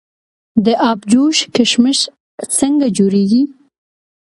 د ابجوش کشمش څنګه جوړیږي؟